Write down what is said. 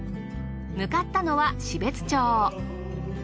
向かったのは標津町。